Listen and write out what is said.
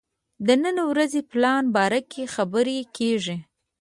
د نن ورځې پلان باره کې خبرې کېږي.